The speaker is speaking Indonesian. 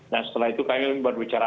nah setelah itu kami berbicara